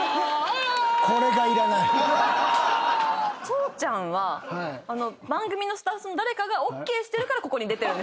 そーちゃんは番組のスタッフさんの誰かがＯＫしてるからここに出てるんですよね？